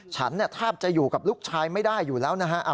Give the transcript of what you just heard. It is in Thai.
ฉันแทบจะอยู่กับลูกชายไม่ได้อยู่แล้วนะฮะ